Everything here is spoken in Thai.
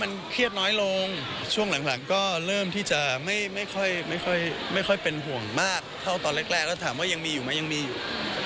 มันเครียดน้อยลงช่วงหลังก็เริ่มที่จะไม่ค่อยเป็นห่วงมากเท่าตอนแรกแล้วถามว่ายังมีอยู่ไหมยังมีอยู่